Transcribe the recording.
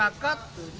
dan jangka panjang